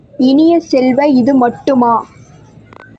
இனிய செல்வ, இது மட்டுமா?